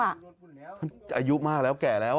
อายุมากแล้วแก่แล้ว